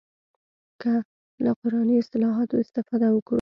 که له قراني اصطلاحاتو استفاده وکړو.